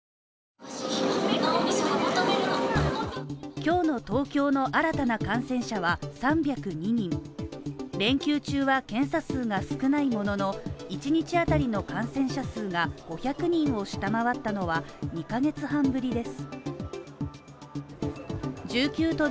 今日の東京の新たな感染者は３０２人連休中は検査数が少ないものの１日あたりの感染者数が５００人を下回ったのは２か月半ぶりです